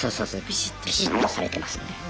ビシッとされてますよね。